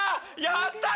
やった！